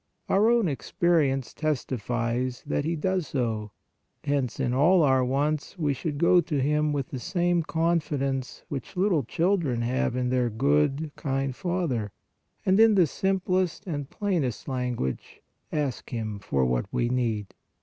Our own 24 PRAYER experience testifies that He does so; hence in all our wants we should go to Him with the same con fidence which little children have in their good, kind father, and, in the simplest and plainest language ask Him for what we need.